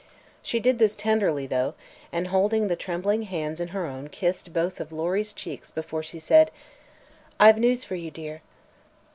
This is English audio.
She did this tenderly, though, and holding the trembling hands in her own kissed both of Lory's cheeks before she said: "I've news for you, dear."